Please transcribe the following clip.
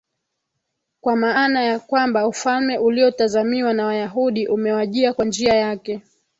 kwa maana ya kwamba ufalme uliotazamiwa na Wayahudi umewajia kwa njia yake